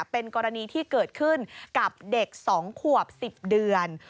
เป็นกรณีที่เกิดขึ้นกับเด็ก๒ขวบ๑๐เดือน